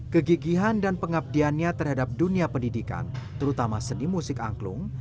kegigihan dan pengabdiannya terhadap dunia pendidikan terutama seni musik angklung